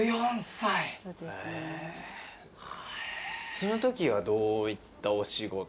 そのときはどういったお仕事？